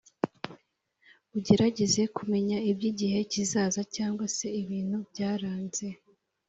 ugerageze kumenya iby igihe kizaza cyangwa se ibintu byaranze